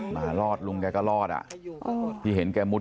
หมารอดลุงแกก็รอดอ่ะที่เห็นแกมุด